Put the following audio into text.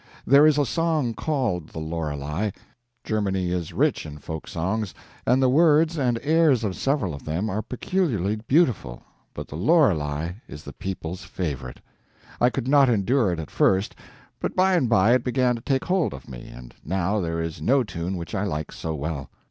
There is a song called "The Lorelei." Germany is rich in folk songs, and the words and airs of several of them are peculiarly beautiful but "The Lorelei" is the people's favorite. I could not endure it at first, but by and by it began to take hold of me, and now there is no tune which I like so well.